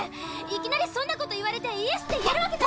いきなりそんなこと言われて「イエス」って言えるわけ。